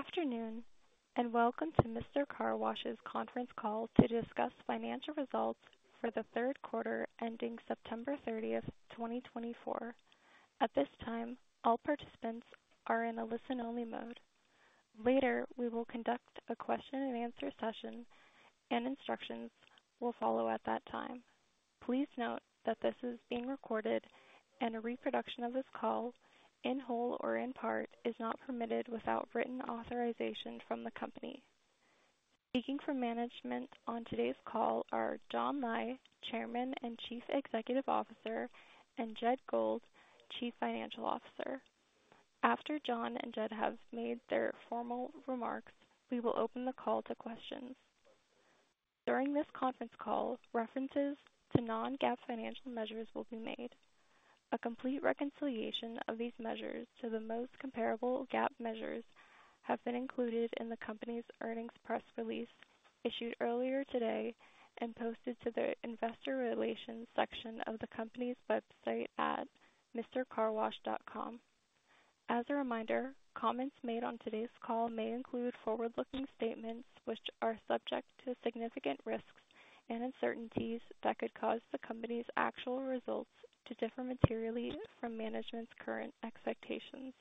Good afternoon, and welcome to Mister Car Wash's conference call to discuss financial results for the third quarter ending September 30th, 2024. At this time, all participants are in a listen-only mode. Later, we will conduct a question-and-answer session, and instructions will follow at that time. Please note that this is being recorded, and a reproduction of this call, in whole or in part, is not permitted without written authorization from the company. Speaking from management on today's call are John Lai, Chairman and Chief Executive Officer, and Jed Gold, Chief Financial Officer. After John and Jed have made their formal remarks, we will open the call to questions. During this conference call, references to non-GAAP financial measures will be made. A complete reconciliation of these measures to the most comparable GAAP measures has been included in the company's earnings press release issued earlier today and posted to the investor relations section of the company's website at mistercarwash.com. As a reminder, comments made on today's call may include forward-looking statements which are subject to significant risks and uncertainties that could cause the company's actual results to differ materially from management's current expectations.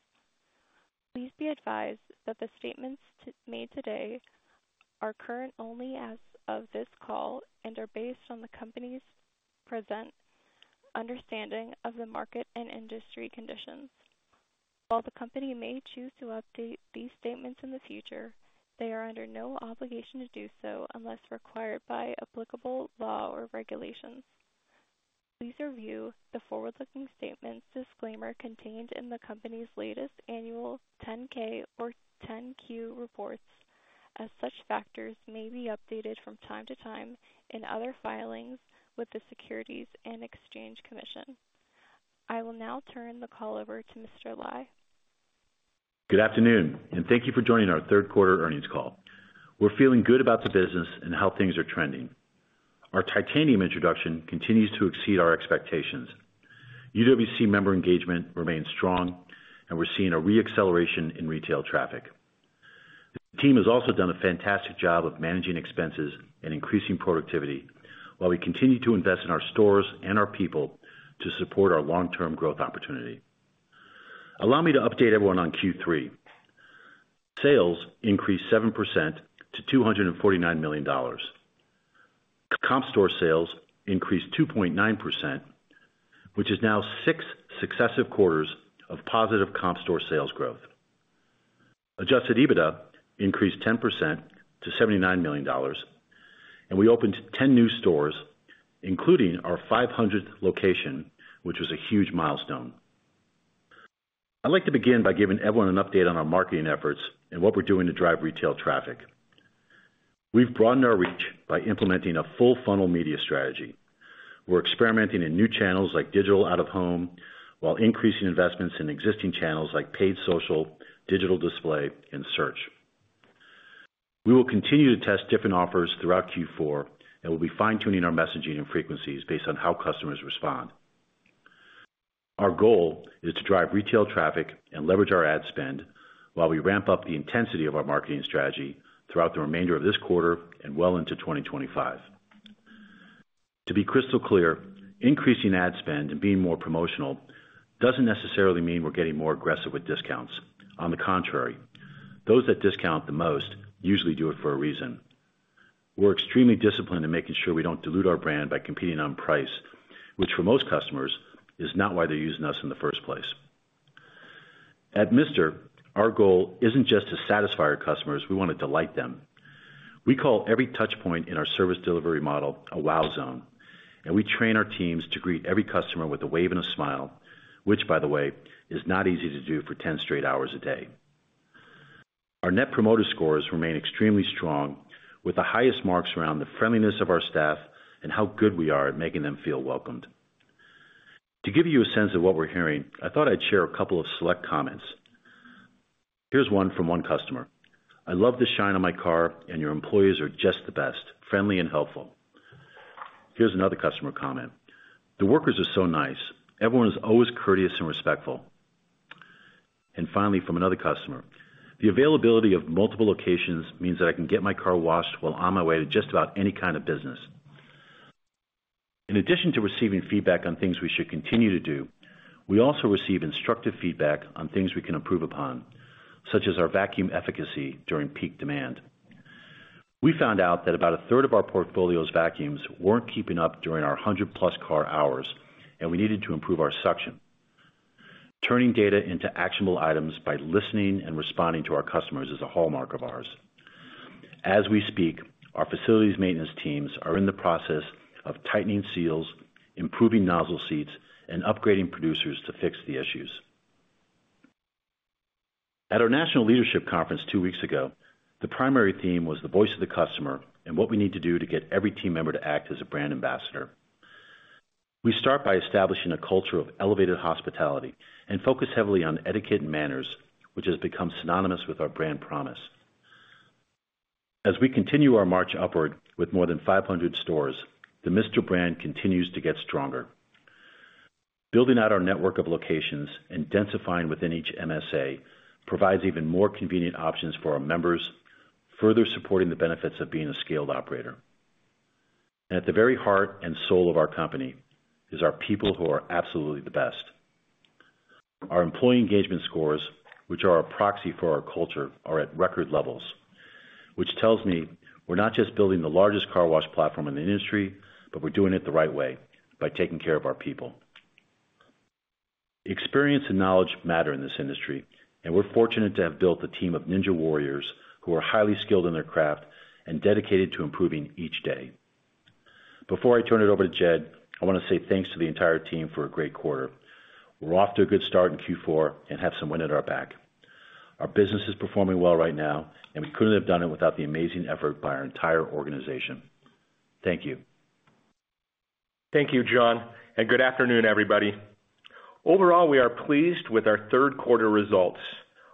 Please be advised that the statements made today are current only as of this call and are based on the company's present understanding of the market and industry conditions. While the company may choose to update these statements in the future, they are under no obligation to do so unless required by applicable law or regulations. Please review the forward-looking statements disclaimer contained in the company's latest annual 10-K or 10-Q reports, as such factors may be updated from time to time in other filings with the Securities and Exchange Commission. I will now turn the call over to Mr. Lai. Good afternoon, and thank you for joining our third quarter earnings call. We're feeling good about the business and how things are trending. Our Titanium introduction continues to exceed our expectations. UWC member engagement remains strong, and we're seeing a re-acceleration in retail traffic. The team has also done a fantastic job of managing expenses and increasing productivity while we continue to invest in our stores and our people to support our long-term growth opportunity. Allow me to update everyone on Q3. Sales increased 7% to $249 million. Comp store sales increased 2.9%, which is now six successive quarters of positive comp store sales growth. Adjusted EBITDA increased 10% to $79 million, and we opened 10 new stores, including our 500th location, which was a huge milestone. I'd like to begin by giving everyone an update on our marketing efforts and what we're doing to drive retail traffic. We've broadened our reach by implementing a full-funnel media strategy. We're experimenting in new channels like digital out-of-home while increasing investments in existing channels like paid social, digital display, and search. We will continue to test different offers throughout Q4, and we'll be fine-tuning our messaging and frequencies based on how customers respond. Our goal is to drive retail traffic and leverage our ad spend while we ramp up the intensity of our marketing strategy throughout the remainder of this quarter and well into 2025. To be crystal clear, increasing ad spend and being more promotional doesn't necessarily mean we're getting more aggressive with discounts. On the contrary, those that discount the most usually do it for a reason. We're extremely disciplined in making sure we don't dilute our brand by competing on price, which for most customers is not why they're using us in the first place. At Mister, our goal isn't just to satisfy our customers. We want to delight them. We call every touchpoint in our service delivery model a Wow Zone, and we train our teams to greet every customer with a wave and a smile, which, by the way, is not easy to do for 10 straight hours a day. Our Net Promoter Scores remain extremely strong, with the highest marks around the friendliness of our staff and how good we are at making them feel welcomed. To give you a sense of what we're hearing, I thought I'd share a couple of select comments. Here's one from one customer: "I love the shine on my car, and your employees are just the best, friendly and helpful." Here's another customer comment: "The workers are so nice. Everyone is always courteous and respectful," and finally, from another customer: "The availability of multiple locations means that I can get my car washed while on my way to just about any kind of business." In addition to receiving feedback on things we should continue to do, we also receive instructive feedback on things we can improve upon, such as our vacuum efficacy during peak demand. We found out that about a third of our portfolio's vacuums weren't keeping up during our 100-plus car hours, and we needed to improve our suction. Turning data into actionable items by listening and responding to our customers is a hallmark of ours. As we speak, our facilities maintenance teams are in the process of tightening seals, improving nozzle seats, and upgrading producers to fix the issues. At our national leadership conference two weeks ago, the primary theme was the voice of the customer and what we need to do to get every team member to act as a brand ambassador. We start by establishing a culture of elevated hospitality and focus heavily on etiquette and manners, which has become synonymous with our brand promise. As we continue our march upward with more than 500 stores, the Mister brand continues to get stronger. Building out our network of locations and densifying within each MSA provides even more convenient options for our members, further supporting the benefits of being a scaled operator. At the very heart and soul of our company is our people who are absolutely the best. Our employee engagement scores, which are a proxy for our culture, are at record levels, which tells me we're not just building the largest car wash platform in the industry, but we're doing it the right way by taking care of our people. Experience and knowledge matter in this industry, and we're fortunate to have built a team of ninja warriors who are highly skilled in their craft and dedicated to improving each day. Before I turn it over to Jed, I want to say thanks to the entire team for a great quarter. We're off to a good start in Q4 and have some wind at our back. Our business is performing well right now, and we couldn't have done it without the amazing effort by our entire organization. Thank you. Thank you, John, and good afternoon, everybody. Overall, we are pleased with our third quarter results.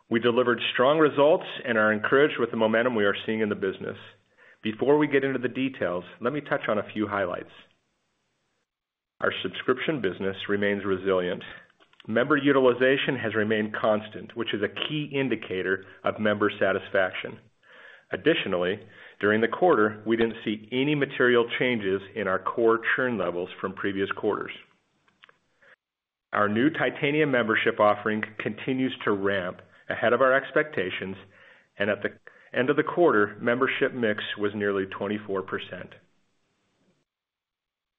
We delivered strong results and are encouraged with the momentum we are seeing in the business. Before we get into the details, let me touch on a few highlights. Our subscription business remains resilient. Member utilization has remained constant, which is a key indicator of member satisfaction. Additionally, during the quarter, we didn't see any material changes in our core churn levels from previous quarters. Our new Titanium membership offering continues to ramp ahead of our expectations, and at the end of the quarter, membership mix was nearly 24%.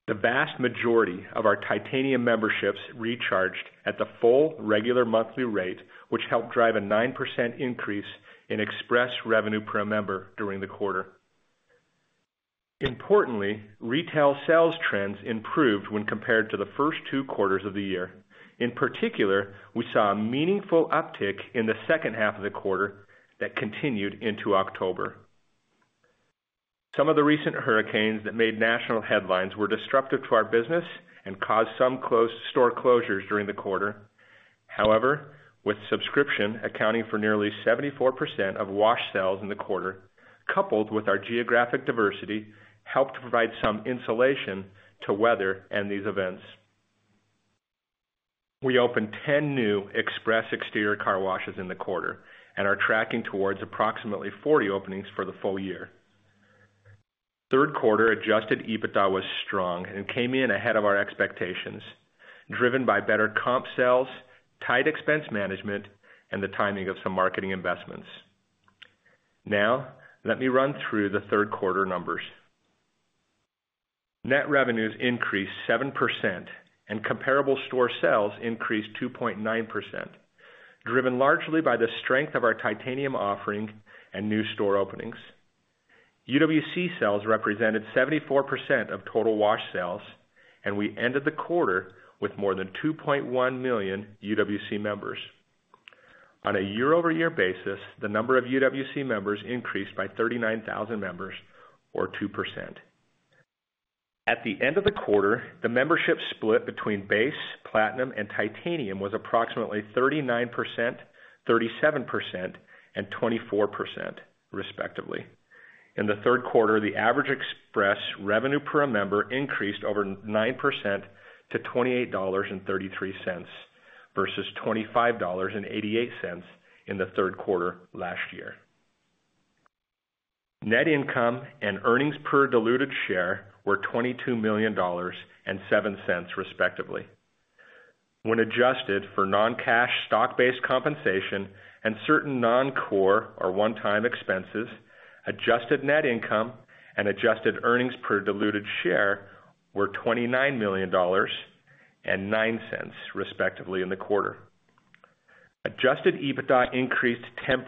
The vast majority of our Titanium memberships recharged at the full regular monthly rate, which helped drive a 9% increase in express revenue per member during the quarter. Importantly, retail sales trends improved when compared to the first two quarters of the year. In particular, we saw a meaningful uptick in the second half of the quarter that continued into October. Some of the recent hurricanes that made national headlines were disruptive to our business and caused some store closures during the quarter. However, with subscription accounting for nearly 74% of wash sales in the quarter, coupled with our geographic diversity, helped to provide some insulation to weather and these events. We opened 10 new Express Exterior car washes in the quarter and are tracking towards approximately 40 openings for the full year. Third quarter Adjusted EBITDA was strong and came in ahead of our expectations, driven by better comp sales, tight expense management, and the timing of some marketing investments. Now, let me run through the third quarter numbers. Net revenues increased 7%, and comparable store sales increased 2.9%, driven largely by the strength of our Titanium offering and new store openings. UWC sales represented 74% of total wash sales, and we ended the quarter with more than 2.1 million UWC members. On a year-over-year basis, the number of UWC members increased by 39,000 members, or 2%. At the end of the quarter, the membership split between Base, Platinum, and Titanium was approximately 39%, 37%, and 24%, respectively. In the third quarter, the average Express revenue per member increased over 9% to $28.33 versus $25.88 in the third quarter last year. Net income and earnings per diluted share were $22 million and $0.07, respectively. When adjusted for non-cash stock-based compensation and certain non-core or one-time expenses, Adjusted Net Income and Adjusted Earnings per Diluted Share were $29 million and $0.09, respectively, in the quarter. Adjusted EBITDA increased 10%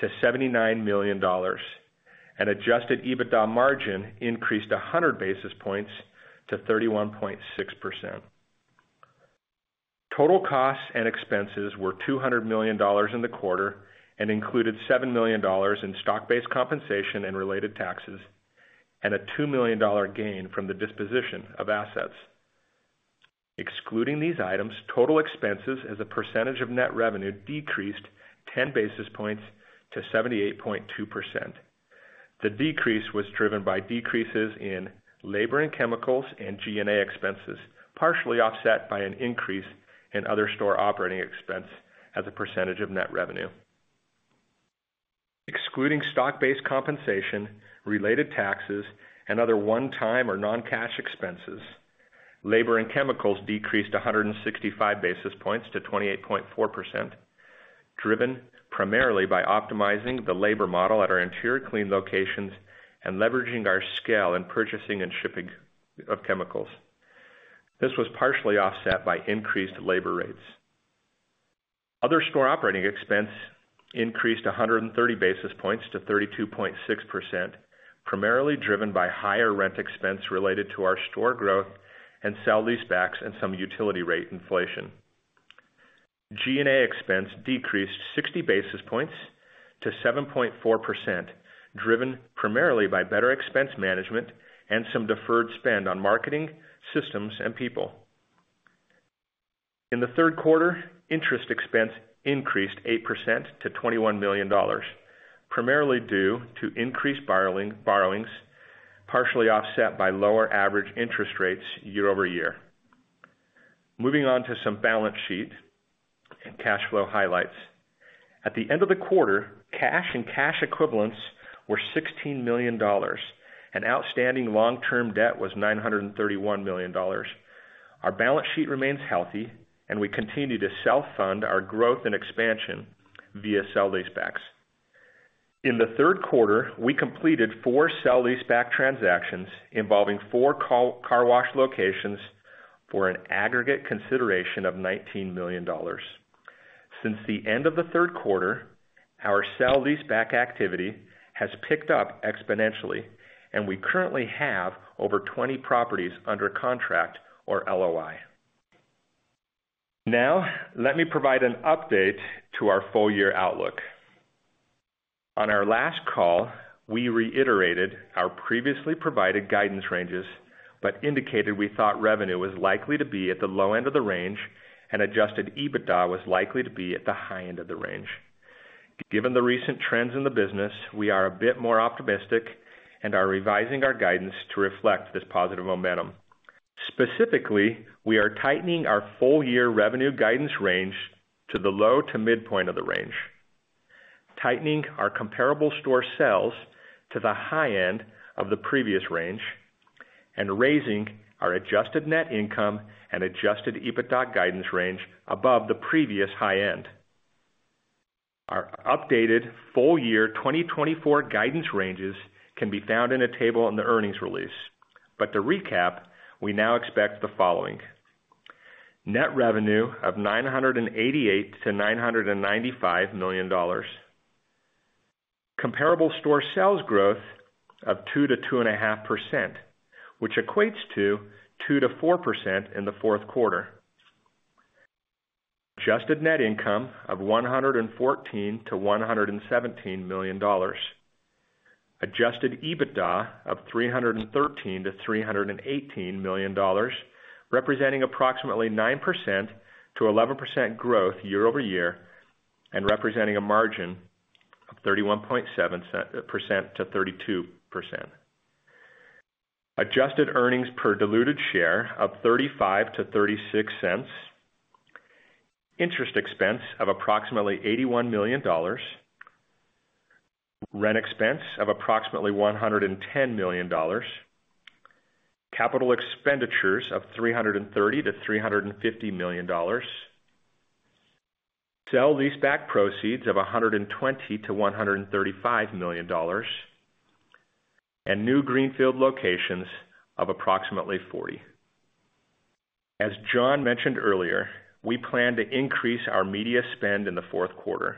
to $79 million, and adjusted EBITDA margin increased 100 basis points to 31.6%. Total costs and expenses were $200 million in the quarter and included $7 million in stock-based compensation and related taxes, and a $2 million gain from the disposition of assets. Excluding these items, total expenses as a percentage of net revenue decreased 10 basis points to 78.2%. The decrease was driven by decreases in labor and chemicals and G&A expenses, partially offset by an increase in other store operating expense as a percentage of net revenue. Excluding stock-based compensation, related taxes, and other one-time or non-cash expenses, labor and chemicals decreased 165 basis points to 28.4%, driven primarily by optimizing the labor model at our Interior Clean locations and leveraging our scale in purchasing and shipping of chemicals. This was partially offset by increased labor rates. Other store operating expense increased 130 basis points to 32.6%, primarily driven by higher rent expense related to our store growth and sale-leasebacks and some utility rate inflation. G&A expense decreased 60 basis points to 7.4%, driven primarily by better expense management and some deferred spend on marketing, systems, and people. In the third quarter, interest expense increased 8% to $21 million, primarily due to increased borrowings, partially offset by lower average interest rates year over year. Moving on to some balance sheet and cash flow highlights. At the end of the quarter, cash and cash equivalents were $16 million, and outstanding long-term debt was $931 million. Our balance sheet remains healthy, and we continue to self-fund our growth and expansion via sale-leasebacks. In the third quarter, we completed four sale-leaseback transactions involving four car wash locations for an aggregate consideration of $19 million. Since the end of the third quarter, our sale-leaseback activity has picked up exponentially, and we currently have over 20 properties under contract or LOI. Now, let me provide an update to our full-year outlook. On our last call, we reiterated our previously provided guidance ranges but indicated we thought revenue was likely to be at the low end of the range and Adjusted EBITDA was likely to be at the high end of the range. Given the recent trends in the business, we are a bit more optimistic and are revising our guidance to reflect this positive momentum. Specifically, we are tightening our full-year revenue guidance range to the low to midpoint of the range, tightening our comparable store sales to the high end of the previous range, and raising our adjusted net income and Adjusted EBITDA guidance range above the previous high end. Our updated full-year 2024 guidance ranges can be found in a table in the earnings release. But to recap, we now expect the following: net revenue of $988-$995 million, comparable store sales growth of 2-2.5%, which equates to 2-4% in the fourth quarter, adjusted net income of $114-$117 million, adjusted EBITDA of $313-$318 million, representing approximately 9-11% growth year over year and representing a margin of 31.7-32%, adjusted earnings per diluted share of $0.35-$0.36, interest expense of approximately $81 million, rent expense of approximately $110 million, capital expenditures of $330-$350 million, sale-leaseback proceeds of $120-$135 million, and new greenfield locations of approximately 40. As John mentioned earlier, we plan to increase our media spend in the fourth quarter.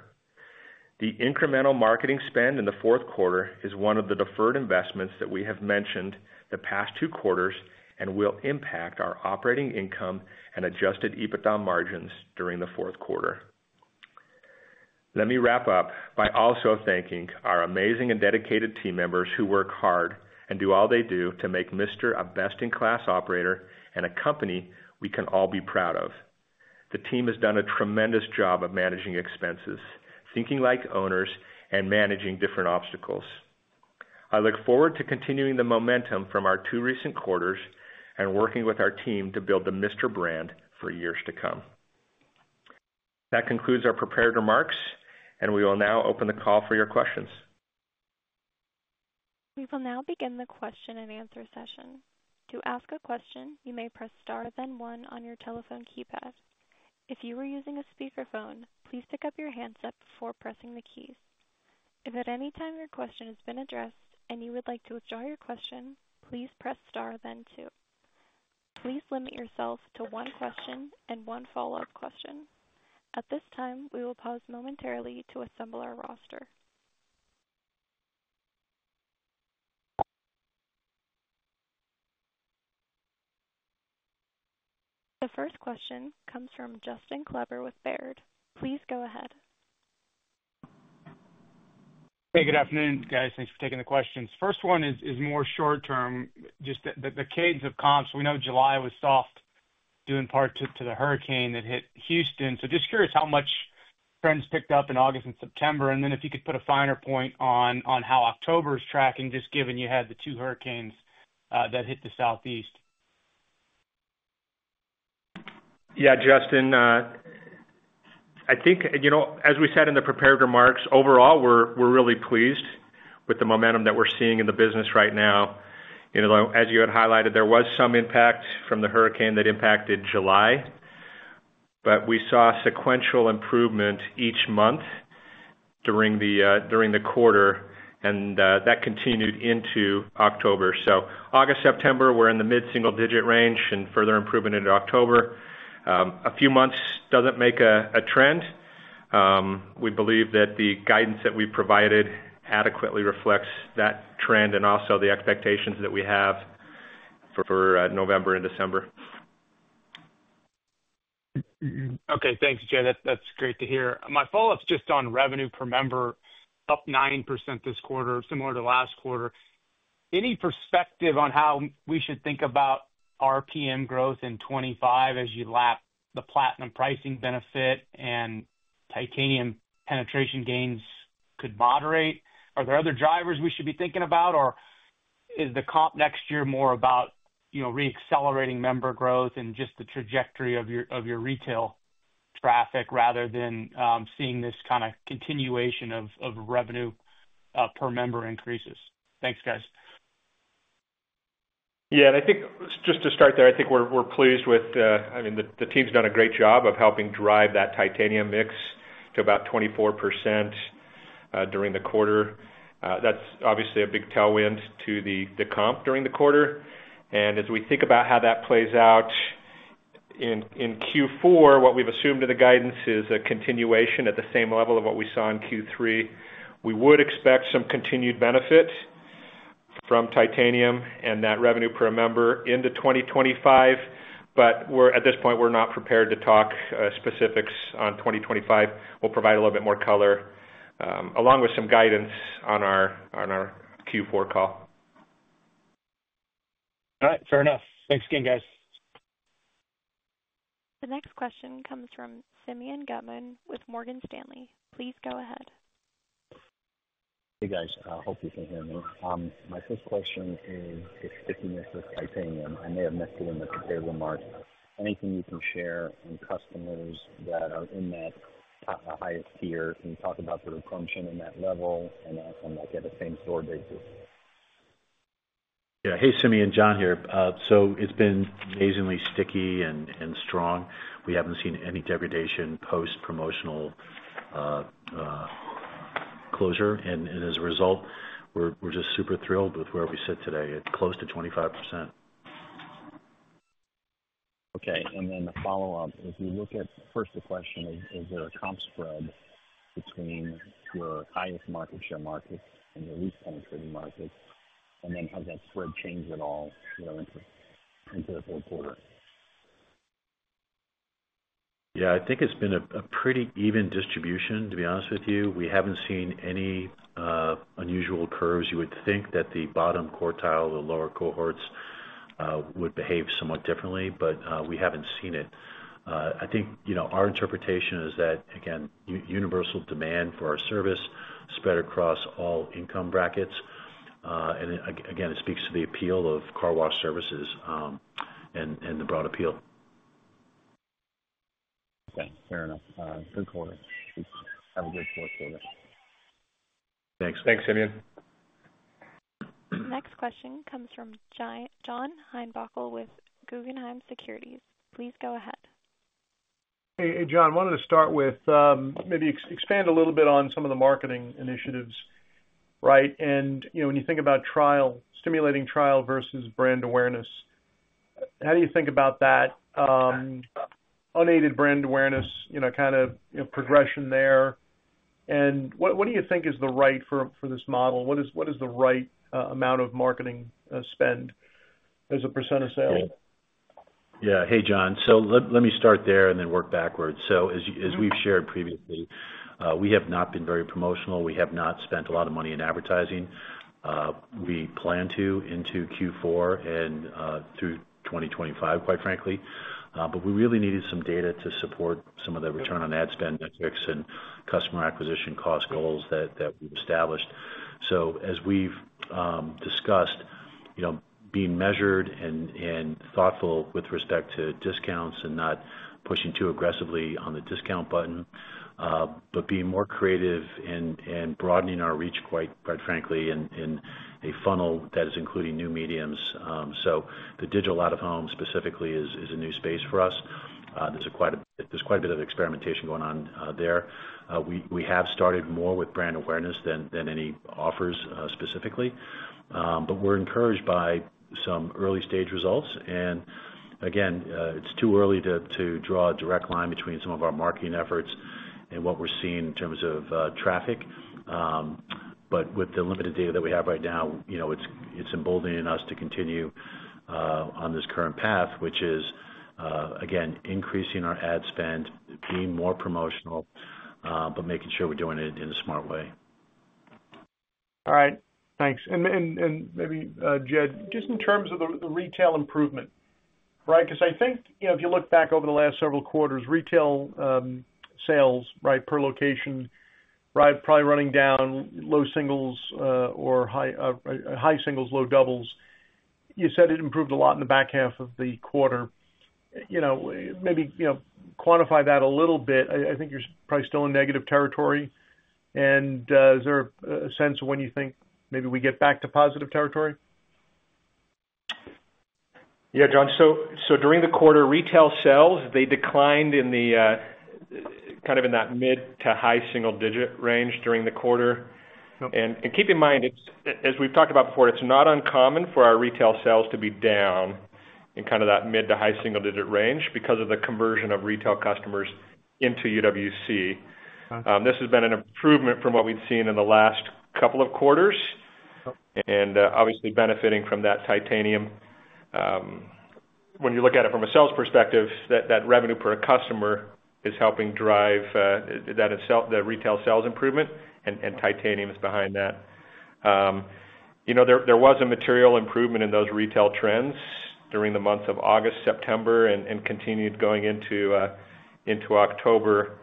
The incremental marketing spend in the fourth quarter is one of the deferred investments that we have mentioned the past two quarters and will impact our operating income and Adjusted EBITDA margins during the fourth quarter. Let me wrap up by also thanking our amazing and dedicated team members who work hard and do all they do to make Mister a best-in-class operator and a company we can all be proud of. The team has done a tremendous job of managing expenses, thinking like owners, and managing different obstacles. I look forward to continuing the momentum from our two recent quarters and working with our team to build the Mister brand for years to come. That concludes our prepared remarks, and we will now open the call for your questions. We will now begin the question and answer session. To ask a question, you may press star then one on your telephone keypad. If you are using a speakerphone, please pick up your handset before pressing the keys. If at any time your question has been addressed and you would like to withdraw your question, please press star then two. Please limit yourself to one question and one follow-up question. At this time, we will pause momentarily to assemble our roster. The first question comes from Justin Kleber with Baird. Please go ahead. Hey, good afternoon, guys. Thanks for taking the questions. First one is more short-term, just the cadence of comps. We know July was soft due in part to the hurricane that hit Houston. So just curious how much trends picked up in August and September, and then if you could put a finer point on how October is tracking, just given you had the two hurricanes that hit the southeast. Yeah, Justin, I think, as we said in the prepared remarks, overall, we're really pleased with the momentum that we're seeing in the business right now. As you had highlighted, there was some impact from the hurricane that impacted July, but we saw sequential improvement each month during the quarter, and that continued into October. So August, September, we're in the mid-single-digit range and further improvement into October. A few months doesn't make a trend. We believe that the guidance that we've provided adequately reflects that trend and also the expectations that we have for November and December. Okay, thanks, Jed. That's great to hear. My follow-up's just on revenue per member, up 9% this quarter, similar to last quarter. Any perspective on how we should think about RPM growth in 2025 as you lap the platinum pricing benefit and titanium penetration gains could moderate? Are there other drivers we should be thinking about, or is the comp next year more about re-accelerating member growth and just the trajectory of your retail traffic rather than seeing this kind of continuation of revenue per member increases? Thanks, guys. Yeah, and I think just to start there, I think we're pleased with, I mean, the team's done a great job of helping drive that Titanium mix to about 24% during the quarter. That's obviously a big tailwind to the comp during the quarter. And as we think about how that plays out in Q4, what we've assumed in the guidance is a continuation at the same level of what we saw in Q3. We would expect some continued benefit from Titanium and that revenue per member into 2025, but at this point, we're not prepared to talk specifics on 2025. We'll provide a little bit more color along with some guidance on our Q4 call. All right, fair enough. Thanks again, guys. The next question comes from Simeon Gutman with Morgan Stanley. Please go ahead. Hey, guys. I hope you can hear me. My first question is the stickiness of titanium. I may have missed it in the prepared remarks. Anything you can share on customers that are in that highest tier and talk about the retention in that level and have them at the same-store basis? Yeah, hey, Simeon, John here. So it's been amazingly sticky and strong. We haven't seen any degradation post-promotional closure, and as a result, we're just super thrilled with where we sit today, at close to 25%. Okay, and then the follow-up, if you look at first the question of, is there a comp spread between your highest market share market and your least penetrating market, and then has that spread changed at all into the fourth quarter? Yeah, I think it's been a pretty even distribution, to be honest with you. We haven't seen any unusual curves. You would think that the bottom quartile, the lower cohorts, would behave somewhat differently, but we haven't seen it. I think our interpretation is that, again, universal demand for our service spread across all income brackets, and again, it speaks to the appeal of Car Wash Services and the broad appeal. Okay, fair enough. Good quarter. Have a great fourth quarter. Thanks. Thanks, Simeon. The next question comes from John Heinbockel with Guggenheim Securities. Please go ahead. Hey, John, I wanted to start with maybe expand a little bit on some of the marketing initiatives, right? And when you think about trial, stimulating trial versus brand awareness, how do you think about that? Unaided brand awareness, kind of progression there. And what do you think is the right for this model? What is the right amount of marketing spend as a % of sales? Yeah, hey, John. So let me start there and then work backwards. So as we've shared previously, we have not been very promotional. We have not spent a lot of money in advertising. We plan to into Q4 and through 2025, quite frankly, but we really needed some data to support some of the return on ad spend metrics and customer acquisition cost goals that we've established. So as we've discussed, being measured and thoughtful with respect to discounts and not pushing too aggressively on the discount button, but being more creative and broadening our reach, quite frankly, in a funnel that is including new mediums. So the digital out-of-home specifically is a new space for us. There's quite a bit of experimentation going on there. We have started more with brand awareness than any offers specifically, but we're encouraged by some early-stage results. And again, it's too early to draw a direct line between some of our marketing efforts and what we're seeing in terms of traffic. But with the limited data that we have right now, it's emboldening us to continue on this current path, which is, again, increasing our ad spend, being more promotional, but making sure we're doing it in a smart way. All right, thanks. And maybe, Jed, just in terms of the retail improvement, right? Because I think if you look back over the last several quarters, retail sales, right, per location, right, probably running down low singles or high singles, low doubles. You said it improved a lot in the back half of the quarter. Maybe quantify that a little bit. I think you're probably still in negative territory. And is there a sense of when you think maybe we get back to positive territory? Yeah, John. So during the quarter, retail sales, they declined in the kind of in that mid- to high single-digit range during the quarter. And keep in mind, as we've talked about before, it's not uncommon for our retail sales to be down in kind of that mid- to high single-digit range because of the conversion of retail customers into UWC. This has been an improvement from what we'd seen in the last couple of quarters and obviously benefiting from that Titanium. When you look at it from a sales perspective, that revenue per customer is helping drive that retail sales improvement, and Titanium is behind that. There was a material improvement in those retail trends during the months of August, September, and continued going into October.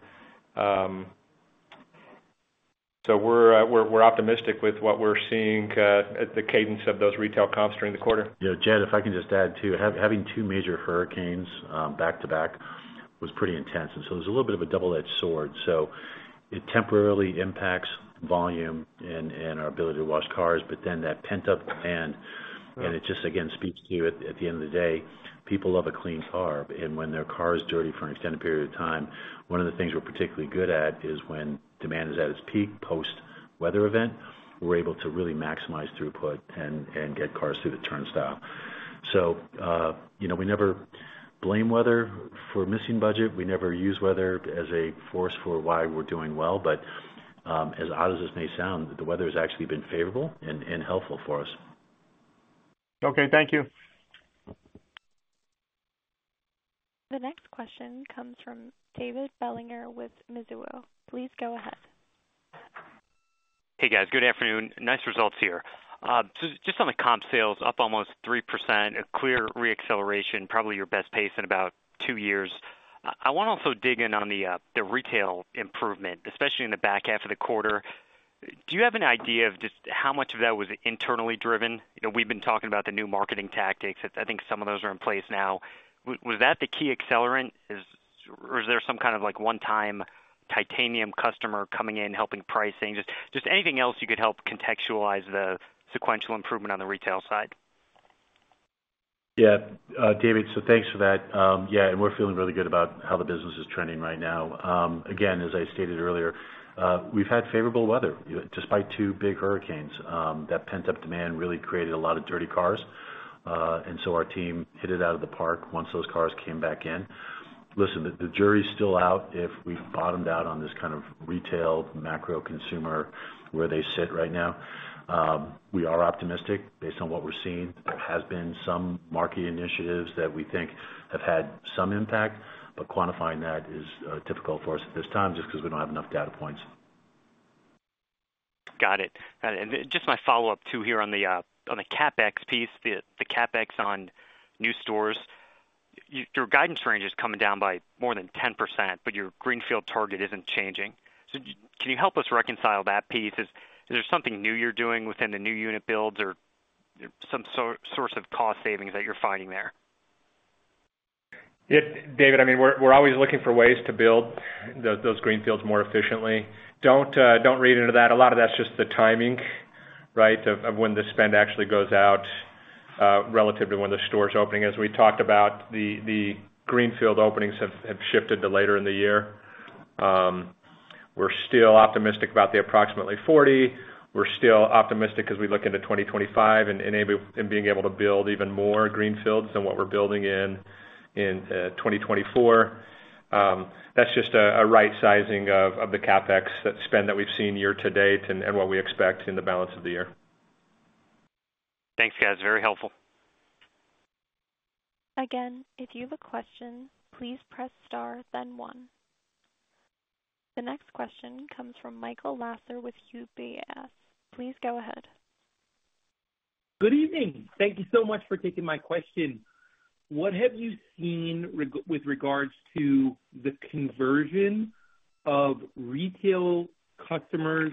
So we're optimistic with what we're seeing at the cadence of those retail comps during the quarter. Yeah, Jed, if I can just add too, having two major hurricanes back to back was pretty intense. And so there's a little bit of a double-edged sword. So it temporarily impacts volume and our ability to wash cars, but then that pent-up demand, and it just, again, speaks to at the end of the day, people love a clean car. And when their car is dirty for an extended period of time, one of the things we're particularly good at is when demand is at its peak post-weather event, we're able to really maximize throughput and get cars through the turnstile. So we never blame weather for missing budget. We never use weather as a force for why we're doing well. But as odd as this may sound, the weather has actually been favorable and helpful for us. Okay, thank you. The next question comes from David Bellinger with Mizuho. Please go ahead. Hey, guys. Good afternoon. Nice results here, so just on the comp sales, up almost 3%, a clear re-acceleration, probably your best pace in about two years. I want to also dig in on the retail improvement, especially in the back half of the quarter. Do you have an idea of just how much of that was internally driven? We've been talking about the new marketing tactics. I think some of those are in place now. Was that the key accelerant, or is there some kind of one-time Titanium customer coming in, helping pricing? Just anything else you could help contextualize the sequential improvement on the retail side? Yeah, David, so thanks for that. Yeah, and we're feeling really good about how the business is trending right now. Again, as I stated earlier, we've had favorable weather despite two big hurricanes. That pent-up demand really created a lot of dirty cars. And so our team hit it out of the park once those cars came back in. Listen, the jury's still out if we've bottomed out on this kind of retail macro consumer where they sit right now. We are optimistic based on what we're seeing. There has been some market initiatives that we think have had some impact, but quantifying that is difficult for us at this time just because we don't have enough data points. Got it. And just my follow-up too here on the CapEx piece, the CapEx on new stores, your guidance range is coming down by more than 10%, but your greenfield target isn't changing. So can you help us reconcile that piece? Is there something new you're doing within the new unit builds or some source of cost savings that you're finding there? Yeah, David, I mean, we're always looking for ways to build those greenfields more efficiently. Don't read into that. A lot of that's just the timing, right, of when the spend actually goes out relative to when the store's opening. As we talked about, the greenfield openings have shifted to later in the year. We're still optimistic about the approximately 40. We're still optimistic as we look into 2025 and being able to build even more greenfields than what we're building in 2024. That's just a right-sizing of the CapEx spend that we've seen year to date and what we expect in the balance of the year. Thanks, guys. Very helpful. Again, if you have a question, please press star, then one. The next question comes from Michael Lassar with UBS. Please go ahead. Good evening. Thank you so much for taking my question. What have you seen with regards to the conversion of retail customers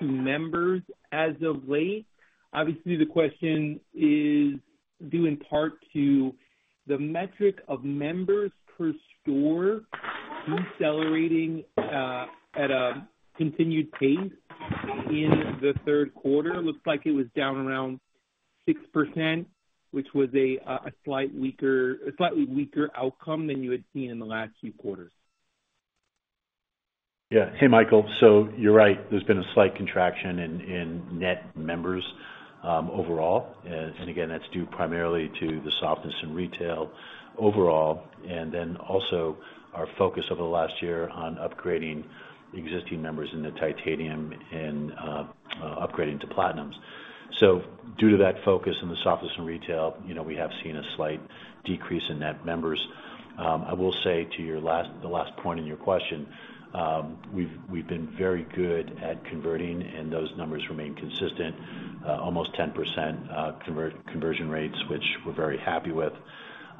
to members as of late? Obviously, the question is due in part to the metric of members per store decelerating at a continued pace in the third quarter. It looks like it was down around 6%, which was a slightly weaker outcome than you had seen in the last few quarters. Yeah. Hey, Michael. So you're right. There's been a slight contraction in net members overall. And again, that's due primarily to the softness in retail overall, and then also our focus over the last year on upgrading existing members into Titanium and upgrading to Platinums. So due to that focus in the softness in retail, we have seen a slight decrease in net members. I will say to your last point in your question, we've been very good at converting, and those numbers remain consistent, almost 10% conversion rates, which we're very happy with.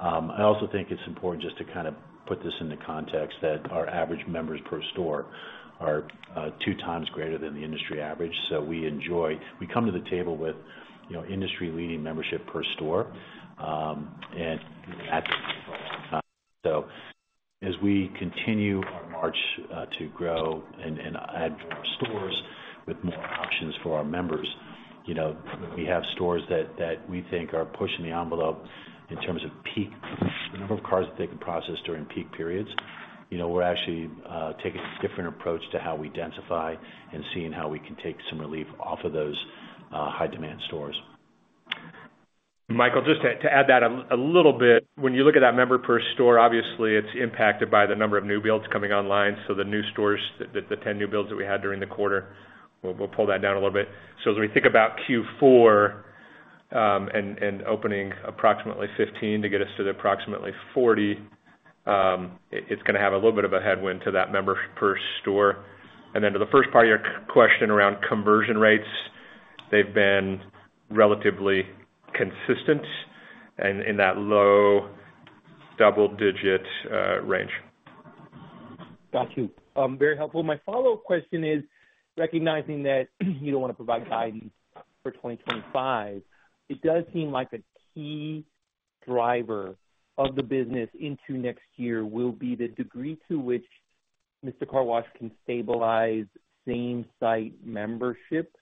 I also think it's important just to kind of put this in the context that our average members per store are two times greater than the industry average. So we come to the table with industry-leading membership per store. And so as we continue our march to grow and add more stores with more options for our members, we have stores that we think are pushing the envelope in terms of peak, the number of cars that they can process during peak periods. We're actually taking a different approach to how we densify and seeing how we can take some relief off of those high-demand stores. Michael, just to add that a little bit, when you look at that member per store, obviously, it's impacted by the number of new builds coming online. So the new stores, the 10 new builds that we had during the quarter, we'll pull that down a little bit. So as we think about Q4 and opening approximately 15 to get us to the approximately 40, it's going to have a little bit of a headwind to that member per store. And then to the first part of your question around conversion rates, they've been relatively consistent in that low double-digit range. Got you. Very helpful. My follow-up question is, recognizing that you don't want to provide guidance for 2025, it does seem like a key driver of the business into next year will be the degree to which Mister Car Wash can stabilize same-site membership.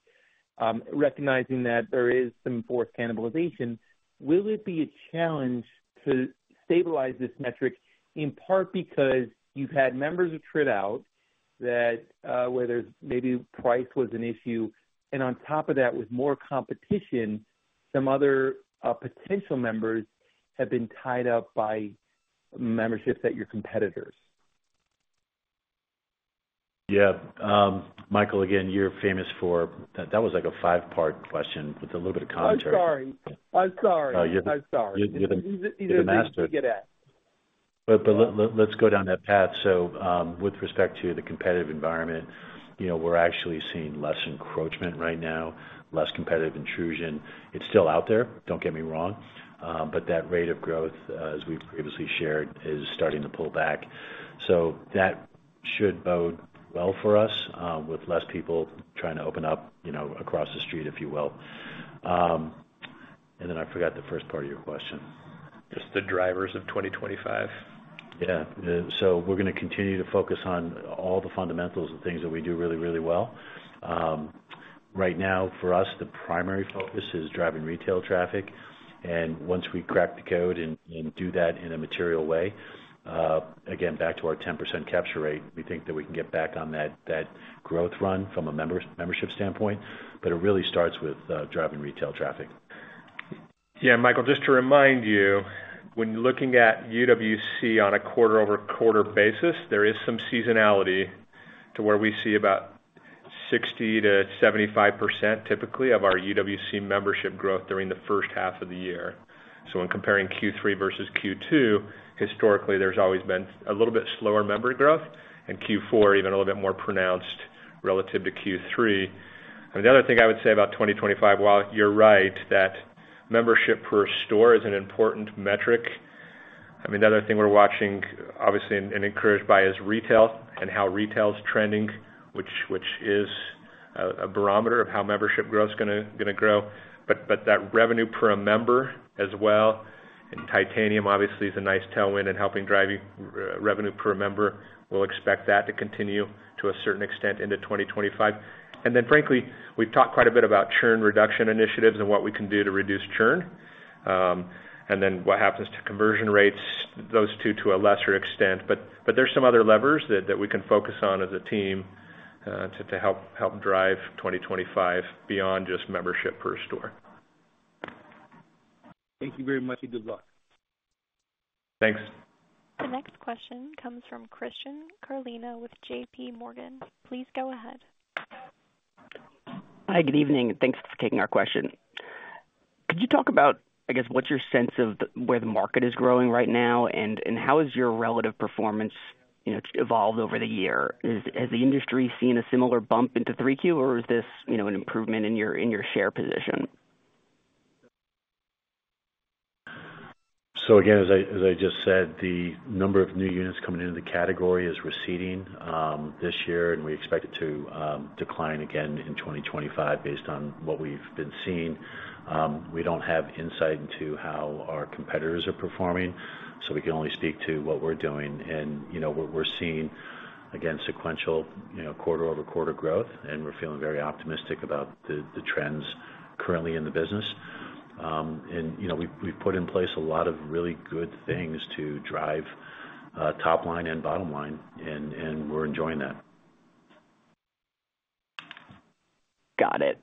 Recognizing that there is some forced cannibalization, will it be a challenge to stabilize this metric in part because you've had members who drop out that where there's maybe price was an issue, and on top of that, with more competition, some other potential members have been tied up by memberships at your competitors? Yeah. Michael, again, you're famous for that. That was like a five-part question with a little bit of context. I'm sorry. I'm sorry. I'm sorry. You're the master. But let's go down that path. So with respect to the competitive environment, we're actually seeing less encroachment right now, less competitive intrusion. It's still out there, don't get me wrong, but that rate of growth, as we've previously shared, is starting to pull back. So that should bode well for us with less people trying to open up across the street, if you will. And then I forgot the first part of your question. Just the drivers of 2025? Yeah. So we're going to continue to focus on all the fundamentals and things that we do really, really well. Right now, for us, the primary focus is driving retail traffic. And once we crack the code and do that in a material way, again, back to our 10% capture rate, we think that we can get back on that growth run from a membership standpoint. But it really starts with driving retail traffic. Yeah, Michael, just to remind you, when you're looking at UWC on a quarter-over-quarter basis, there is some seasonality to where we see about 60%-75% typically of our UWC membership growth during the first half of the year. So when comparing Q3 versus Q2, historically, there's always been a little bit slower member growth, and Q4, even a little bit more pronounced relative to Q3. And the other thing I would say about 2025, while you're right that membership per store is an important metric, I mean, the other thing we're watching, obviously, and encouraged by is retail and how retail's trending, which is a barometer of how membership growth is going to grow. But that revenue per a member as well, and Titanium, obviously, is a nice tailwind in helping drive revenue per a member. We'll expect that to continue to a certain extent into 2025. And then, frankly, we've talked quite a bit about churn reduction initiatives and what we can do to reduce churn. And then what happens to conversion rates, those two to a lesser extent. But there's some other levers that we can focus on as a team to help drive 2025 beyond just membership per store. Thank you very much. Good luck. Thanks. The next question comes from Christian Carlino with J.P. Morgan. Please go ahead. Hi, good evening. Thanks for taking our question. Could you talk about, I guess, what's your sense of where the market is growing right now, and how has your relative performance evolved over the year? Has the industry seen a similar bump into 3Q, or is this an improvement in your share position? So again, as I just said, the number of new units coming into the category is receding this year, and we expect it to decline again in 2025 based on what we've been seeing. We don't have insight into how our competitors are performing, so we can only speak to what we're doing. And we're seeing, again, sequential quarter-over-quarter growth, and we're feeling very optimistic about the trends currently in the business. And we've put in place a lot of really good things to drive top line and bottom line, and we're enjoying that. Got it,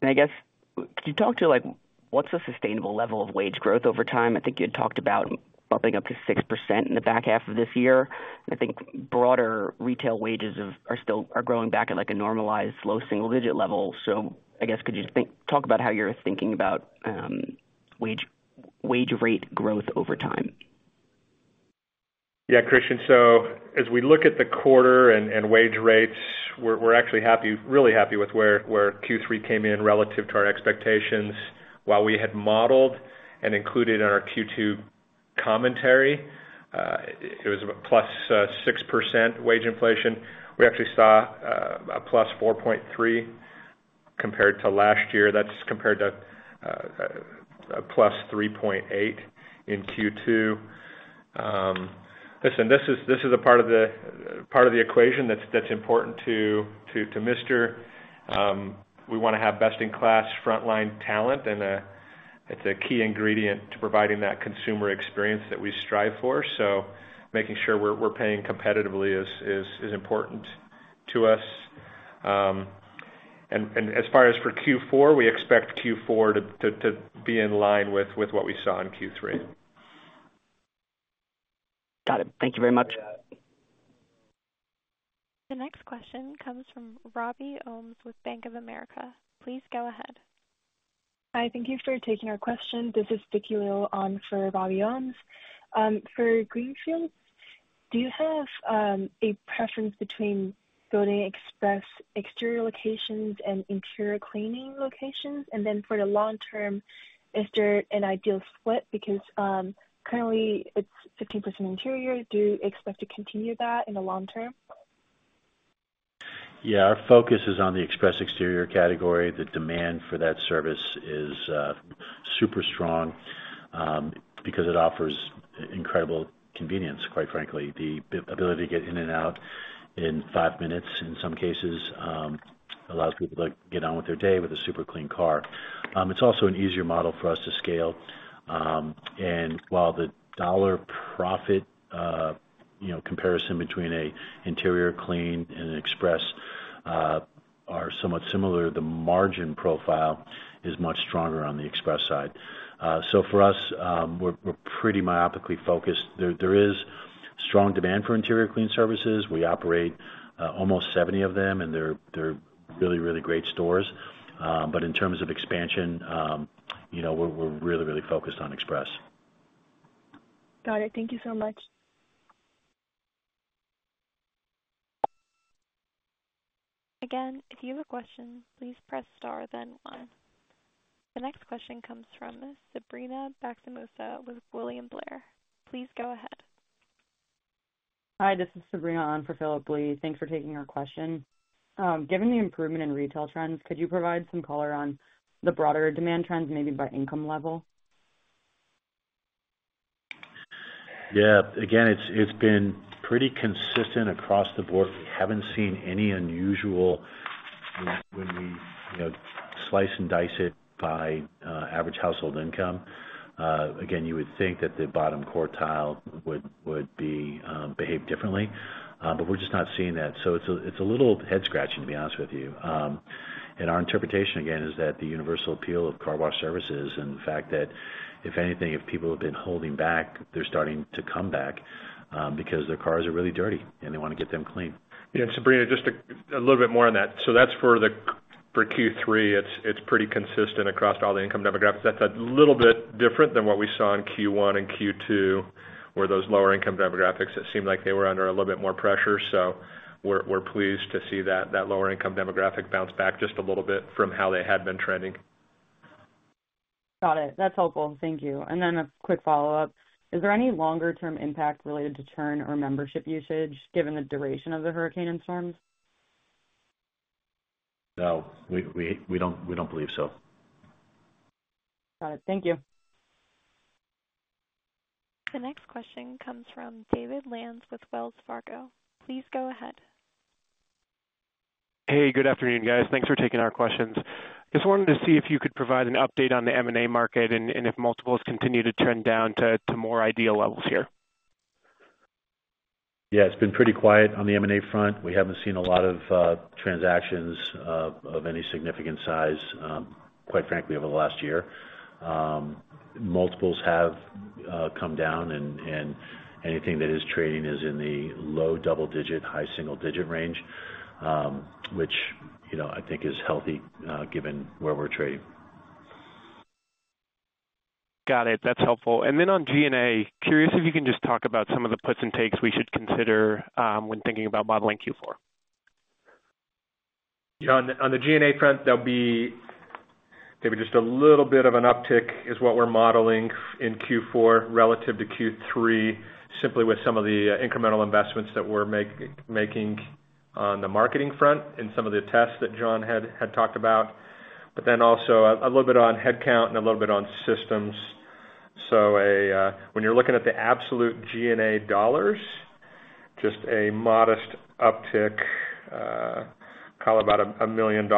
and I guess, could you talk to what's the sustainable level of wage growth over time? I think you had talked about bumping up to 6% in the back half of this year. I think broader retail wages are growing back at a normalized low single-digit level, so I guess, could you talk about how you're thinking about wage rate growth over time? Yeah, Christian, so as we look at the quarter and wage rates, we're actually really happy with where Q3 came in relative to our expectations. While we had modeled and included in our Q2 commentary, it was a plus 6% wage inflation. We actually saw a plus 4.3% compared to last year. That's compared to a plus 3.8% in Q2. Listen, this is a part of the equation that's important to Mister. We want to have best-in-class frontline talent, and it's a key ingredient to providing that consumer experience that we strive for. So making sure we're paying competitively is important to us. And as far as for Q4, we expect Q4 to be in line with what we saw in Q3. Got it. Thank you very much. The next question comes from Robbie Ohmes with Bank of America. Please go ahead. Hi, thank you for taking our question. This is Vicki Liu on for Robbie Ohmes. For greenfields, do you have a preference between building Express Exterior locations and Interior Clean locations? And then for the long term, is there an ideal split? Because currently, it's 15% interior. Do you expect to continue that in the long term? Yeah. Our focus is on the Express Exterior category. The demand for that service is super strong because it offers incredible convenience, quite frankly. The ability to get in and out in five minutes in some cases allows people to get on with their day with a super clean car. It's also an easier model for us to scale. And while the dollar profit comparison between an Interior Clean and an Express are somewhat similar, the margin profile is much stronger on the Express side. So for us, we're pretty myopically focused. There is strong demand for Interior Clean services. We operate almost 70 of them, and they're really, really great stores. But in terms of expansion, we're really, really focused on Express. Got it. Thank you so much. Again, if you have a question, please press star, then one. The next question comes from Sabrina Badsimas with William Blair. Please go ahead. Hi, this is Sabrina on for Phillip Blee. Thanks for taking our question. Given the improvement in retail trends, could you provide some color on the broader demand trends, maybe by income level? Yeah. Again, it's been pretty consistent across the board. We haven't seen any unusual when we slice and dice it by average household income. Again, you would think that the bottom quartile would behave differently, but we're just not seeing that. So it's a little head-scratching, to be honest with you. And our interpretation, again, is that the universal appeal of car wash services and the fact that, if anything, if people have been holding back, they're starting to come back because their cars are really dirty and they want to get them clean. Yeah. Sabrina, just a little bit more on that. So that's for Q3. It's pretty consistent across all the income demographics. That's a little bit different than what we saw in Q1 and Q2, where those lower-income demographics, it seemed like they were under a little bit more pressure. So we're pleased to see that lower-income demographic bounce back just a little bit from how they had been trending. Got it. That's helpful. Thank you. And then a quick follow-up. Is there any longer-term impact related to churn or membership usage given the duration of the hurricane and storms? No. We don't believe so. Got it. Thank you. The next question comes from David Lantz with Wells Fargo. Please go ahead. Hey, good afternoon, guys. Thanks for taking our questions. Just wanted to see if you could provide an update on the M&A market and if multiples continue to trend down to more ideal levels here? Yeah. It's been pretty quiet on the M&A front. We haven't seen a lot of transactions of any significant size, quite frankly, over the last year. Multiples have come down, and anything that is trading is in the low double-digit, high single-digit range, which I think is healthy given where we're trading. Got it. That's helpful. And then on G&A, curious if you can just talk about some of the puts and takes we should consider when thinking about modeling Q4. On the G&A front, there'll be maybe just a little bit of an uptick is what we're modeling in Q4 relative to Q3, simply with some of the incremental investments that we're making on the marketing front and some of the tests that John had talked about. But then also a little bit on headcount and a little bit on systems. So when you're looking at the absolute G&A dollars, just a modest uptick, call it about $1 million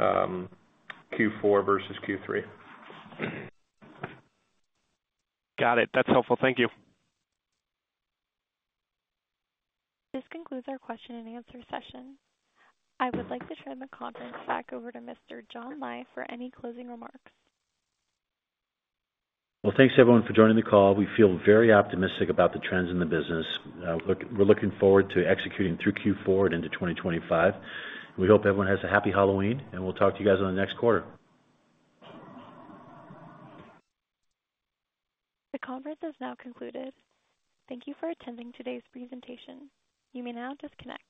Q4 versus Q3. Got it. That's helpful. Thank you. This concludes our question and answer session. I would like to turn the conference back over to Mr. John Lai for any closing remarks. Well, thanks, everyone, for joining the call. We feel very optimistic about the trends in the business. We're looking forward to executing through Q4 and into 2025. We hope everyone has a happy Halloween, and we'll talk to you guys on the next quarter. The conference is now concluded. Thank you for attending today's presentation. You may now disconnect.